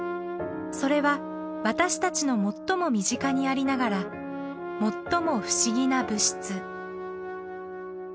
それは私たちの最も身近にありながら最も不思議な物質。